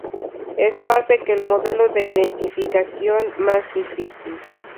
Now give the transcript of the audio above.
Esto hace que el modelo de identificación más difícil.